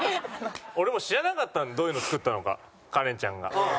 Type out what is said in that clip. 俺も知らなかったのどういうのを作ったのかカレンちゃんが。